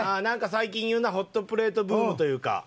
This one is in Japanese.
なんか最近言うなホットプレートブームというか。